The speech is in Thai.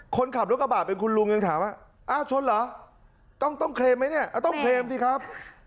คนขับรถกระบะเป็นคุณลุงยังถามว่าอ้าวชนเหรอต้องเคลมไหมเนี่ยต้องเคลมสิครับ